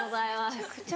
めちゃくちゃ。